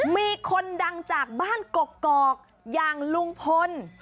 มีคนดังจากบ้านกกอกอย่างลุงพล